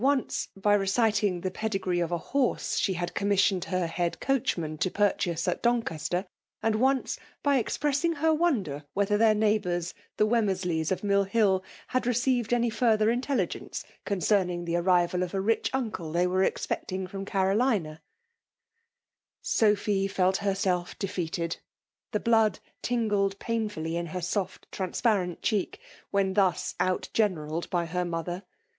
once by reciting the pedigree of a horse die hftd commissioned her head coachman to purchase at Doncaster; and once by expressing lier Ironder whether their neighbotnrs^ the Wem mersleys, of Mill Hill, had received anyfardur intelligence concerning the arrival of a rich nncle they were expecting firom Cardina* Sophy felt herself defeated. The blood tingled painfully in her scrft transparent cheeli^ when dius out generalled by her mother.